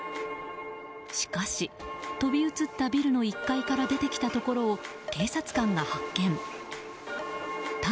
しかし、飛び移ったビルの１階から出てきたところを